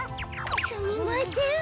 すみません。